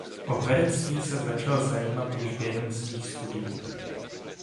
O herectví se začal zajímat již během svých studií.